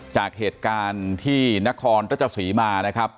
จากเหตุการณ์ที่นครรัชศรีมานะครับ